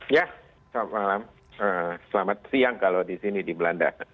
ya selamat malam selamat siang kalau di sini di belanda